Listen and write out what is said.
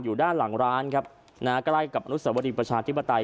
อยู่ด้านหลังร้านครับนะฮะใกล้กับอนุสวรีประชาธิปไตย